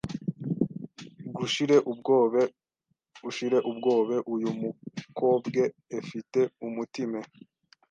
Gushire ubwobe ushire ubwobe Uyu mukobwe efi te umutime